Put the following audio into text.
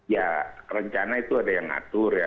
ya rencana itu ada yang ngatur ya